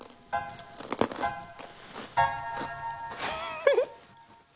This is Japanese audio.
フフッ。